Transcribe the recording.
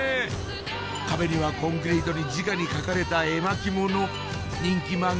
壁にはコンクリートにじかに描かれた絵巻物